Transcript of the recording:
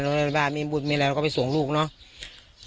แล้วเวลามีบุญมีอะไรก็ไปส่งลูกเนาะ